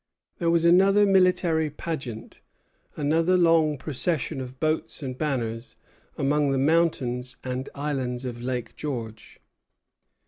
There was another military pageant, another long procession of boats and banners, among the mountains and islands of Lake George.